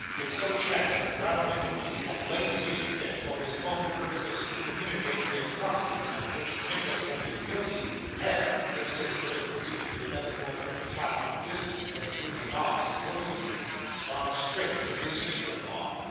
It so chanced that Ralph Nickleby, at length seeing fit, for his own purposes, to communicate the atrocities of which Nicholas had been guilty, had (instead of first proceeding to another quarter of the town on business, as Newman Noggs supposed he would) gone straight to his sister in law.